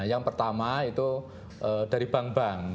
yang pertama itu dari bank bank